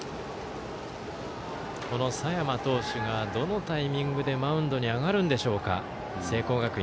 佐山投手がどのタイミングでマウンドに上がるんでしょうか。